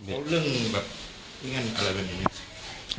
เรื่องแบบอะไรเป็นอย่างนี้